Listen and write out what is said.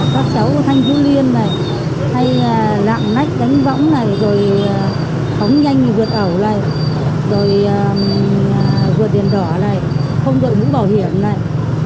các cháu thanh vu liên này hay là lạm nách cánh võng này rồi khóng nhanh vượt ẩu này rồi vượt đèn đỏ này không gọi mũ bảo hiểm này